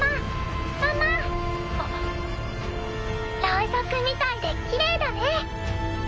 ろうそくみたいできれいだね。